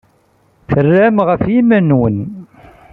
Terramt ɣef yiman-nwent.